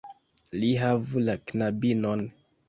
Li havu la knabinon."